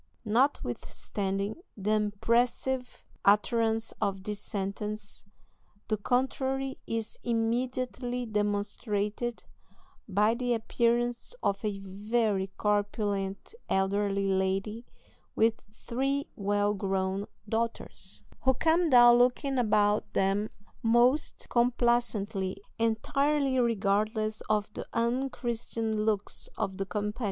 Notwithstanding the impressive utterance of this sentence the contrary is immediately demonstrated by the appearance of a very corpulent elderly lady with three well grown daughters, who come down looking about them most complacently, entirely regardless of the unchristian looks of the company.